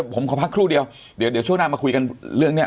ผมขอพักครู่เดียวเดี๋ยวช่วงหน้ามาคุยกันเรื่องนี้